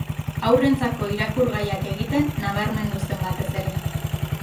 Haurrentzako irakurgaiak egiten nabarmendu zen batez ere.